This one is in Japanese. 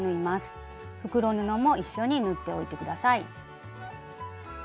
袋布も一緒に縫っておいて下さい。